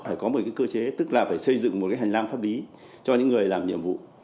phải có một cái cơ chế tức là phải xây dựng một cái hành lang pháp lý cho những người làm nhiệm vụ